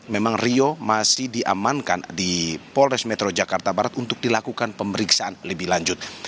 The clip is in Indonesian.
memang rio masih diamankan di polres metro jakarta barat untuk dilakukan pemeriksaan lebih lanjut